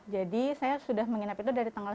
jadi saya sudah menginap itu dari tanggal sembilan